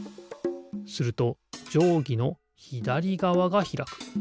するとじょうぎのひだりがわがひらく。